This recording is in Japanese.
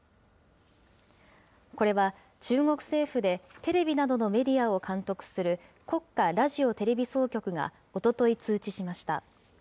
これは、中国政府でテレビなどのメディアを監督する国家ラジオテレビ総局がおととい通知しました。